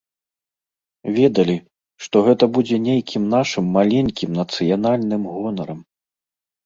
Ведалі, што гэта будзе нейкім нашым маленькім нацыянальным гонарам.